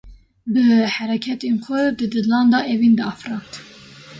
Bi hereketên xwe, di dilan de evîn diafirand